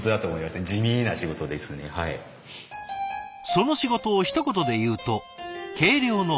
その仕事をひと言でいうと「計量の番人」。